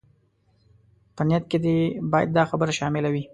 په نيت کې دې بايد دا خبره شامله وي.